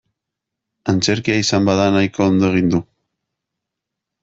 Antzerkia izan bada nahiko ondo egin du.